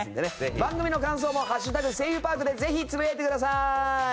番組の感想も「＃声優パーク」でぜひつぶやいてください。